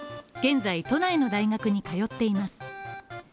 現在、都内の大学に通っています。